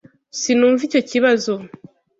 Sinumva icyo kibazo.